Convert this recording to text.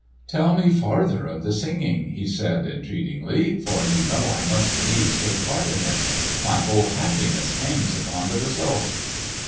"Tell me farther of the singing," he said entreatingly; "for you know I must needs take part in it. My whole happiness hangs upon the result!"